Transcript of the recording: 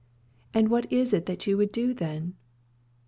"And what is it that you would do then?"